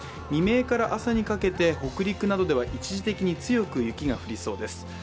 未明から朝にかけて北陸などでは一時的に強く雪が降りそうです。